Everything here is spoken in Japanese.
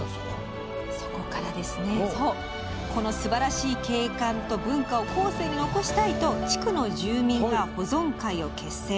そこから、このすばらしい景観と文化を後世に残したいと地区の住民が保存会を結成。